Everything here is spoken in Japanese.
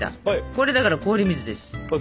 これだから氷水です。